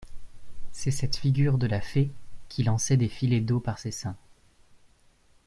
C'est cette figure de la fée qui lançait des filets d'eau par ses seins.